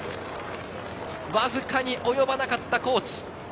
わずかに及ばなかった高知。